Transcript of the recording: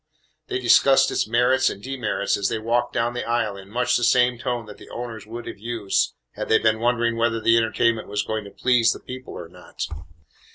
They discussed its merits and demerits as they walked down the aisle in much the same tone that the owners would have used had they been wondering whether the entertainment was going to please the people or not.